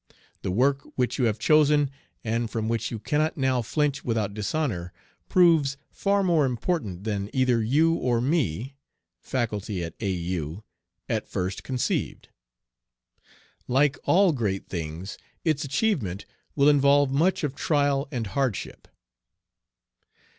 The work which you have chosen, and from which you cannot now flinch without dishonor, proves far more important than either you or me (Faculty at A. U.) at first conceived. Like all great things its achievement will involve much of trial and hardship."